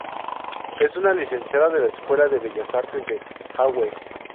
Es una licenciada de la Escuela de Bellas Artes de Hague.